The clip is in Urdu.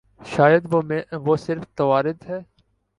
شاید وہ صرف توارد ہے۔